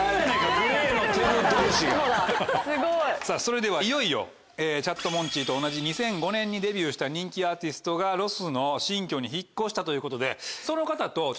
さぁそれではいよいよチャットモンチーと同じ２００５年にデビューした人気アーティストがロスの新居に引っ越したということでその方と。